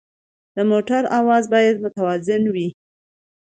د موټر اواز باید متوازن وي.